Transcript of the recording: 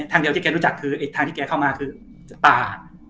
ทางเดียวที่แกรู้จักทางที่แกเข้ามาคือป่า